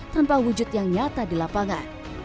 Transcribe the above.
tanpa wujud yang nyata di lapangan